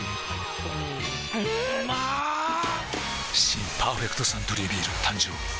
新「パーフェクトサントリービール」誕生はっはっは！